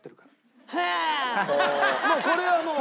もうこれはもう。